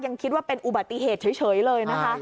ยังคิดว่าเป็นอุบัติเหตุเฉยเลยนะคะ